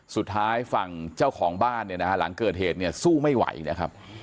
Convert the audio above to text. สุดท้ายฝั่งเจ้าของบ้านเนี่ยนะฮะหลังเกิดเหตุเนี่ยสู้ไม่ไหวนะครับ